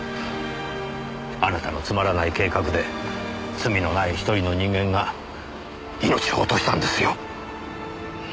あなたのつまらない計画で罪のない１人の人間が命を落としたんですよ。